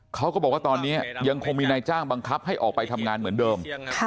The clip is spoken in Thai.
เขาก็บอกว่าตอนนี้ยังคงมีนายจ้างบังคับให้ออกไปทำงานเหมือนเดิม